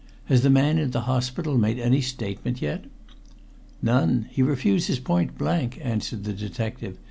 "Has the man in the hospital made any statement yet?" "None. He refuses point blank," answered the detective.